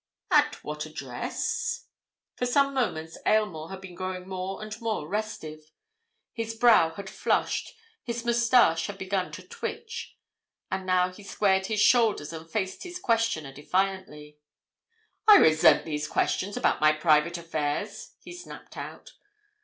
"At what address?" For some moments Aylmore had been growing more and more restive. His brow had flushed; his moustache had begun to twitch. And now he squared his shoulders and faced his questioner defiantly. "I resent these questions about my private affairs!" he snapped out.